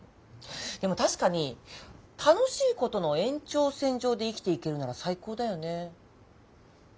でも確かに楽しいことの延長線上で生きていけるなら最高だよね。